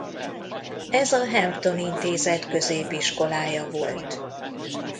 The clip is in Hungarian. Ez a Hampton Intézet középiskolája volt.